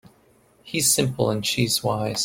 He's simple and she's wise.